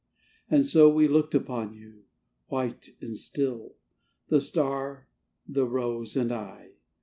And so we looked upon you, white and still, The star, the rose, and I.